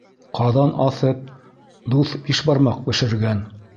Ҡаҙан аҫып, дуҫ бишбармаҡ бешергән!